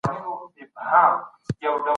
د لیوه په خوله کې لاس مه ورکوئ.